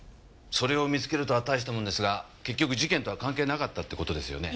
それを見つけるとは大したもんですが結局事件とは関係なかったって事ですよね？